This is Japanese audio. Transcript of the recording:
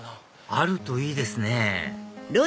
あるといいですね！